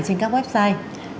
trên các website